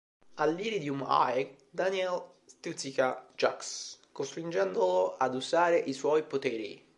All'Iridium High, Daniel stuzzica Jax, costringendolo ad usare i suoi poteri.